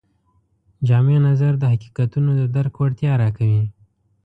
جامع نظر د حقیقتونو د درک وړتیا راکوي.